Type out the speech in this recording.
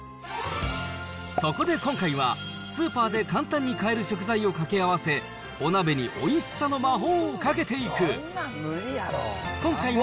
そこで今回は、スーパーで簡単に買える食材をかけあわせ、お鍋においしさの魔法をかけていく。